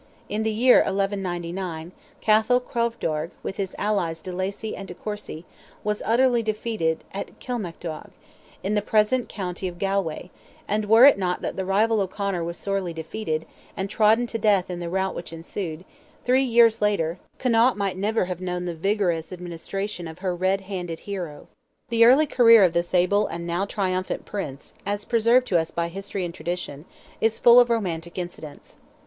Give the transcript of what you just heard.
In the year 1199, Cathal Crovdearg, with his allies de Lacy and de Courcy, was utterly defeated at Kilmacduagh, in the present county of Galway, and were it not that the rival O'Conor was sorely defeated, and trodden to death in the route which ensued, three years later, Connaught might never have known the vigorous administration of her "red handed" hero. The early career of this able and now triumphant Prince, as preserved to us by history and tradition, is full of romantic incidents.